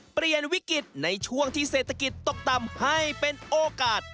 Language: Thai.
เปลี่ยนวิกฤตในช่วงที่เศรษฐกิจตกต่ำให้เป็นโอกาส